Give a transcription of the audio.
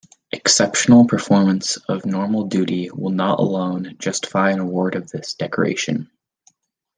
Exceptional performance of normal duty will not alone justify an award of this decoration.